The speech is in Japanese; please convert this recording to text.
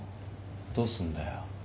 どうすんだよ。